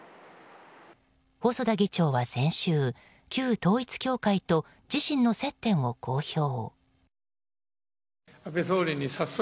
細田議長は先週旧統一教会と自身の接点を公表。